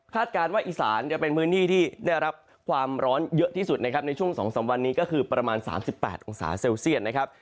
การว่าอีสานจะเป็นพื้นที่ที่ได้รับความร้อนเยอะที่สุดนะครับในช่วง๒๓วันนี้ก็คือประมาณ๓๘องศาเซลเซียตนะครับ